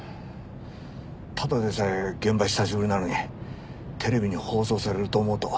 ただでさえ現場久しぶりなのにテレビに放送されると思うと。